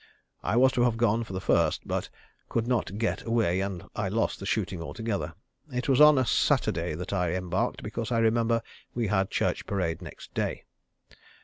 I was to have gone for the first, but could not get away, and I lost the shooting altogether. It was on a Saturday that I embarked, because I remember we had church parade next day.